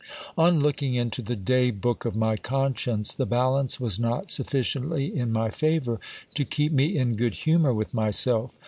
On looking into the day book of my conscience, the balance was not suf ficiently in my favour to keep me in good humour with myself.